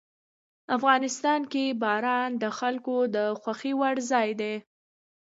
افغانستان کې باران د خلکو د خوښې وړ ځای دی.